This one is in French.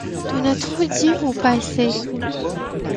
T’en as trop dit ou pas assez!